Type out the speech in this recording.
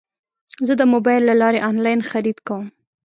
زه د موبایل له لارې انلاین خرید کوم.